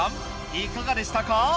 いかがでしたか？